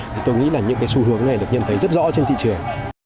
thì tôi nghĩ là những cái xu hướng này được nhận thấy rất rõ trên thị trường